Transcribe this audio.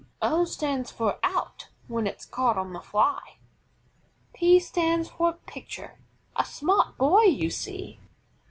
O stands for OUT, when it's caught on the fly. P stands for PITCHER, a smart boy you see.